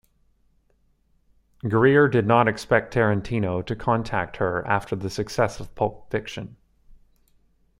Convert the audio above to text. Grier did not expect Tarantino to contact her after the success of "Pulp Fiction".